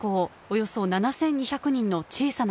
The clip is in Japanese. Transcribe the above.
およそ７２００人の小さな町